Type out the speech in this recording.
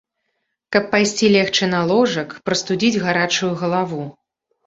Каб пайсці легчы на ложак, прастудзіць гарачую галаву.